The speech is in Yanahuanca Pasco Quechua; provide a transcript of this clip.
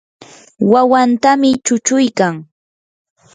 wawantami chuchuykan.